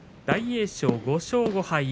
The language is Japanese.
大栄翔５勝５敗。